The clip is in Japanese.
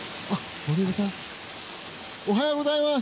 おはようございます。